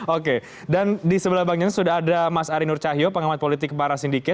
oke dan di sebelah bang jans sudah ada mas ari nur cahyo pengamat politik para sindiket